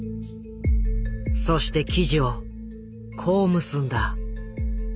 そして記事をこう結んだ。